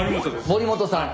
森本さん。